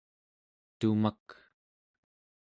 tumak